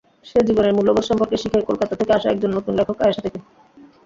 সে জীবনের মূল্যবোধ সম্পর্কে শিখে কোলকাতা থেকে আসা একজন নতুন লেখক আয়েশা থেকে।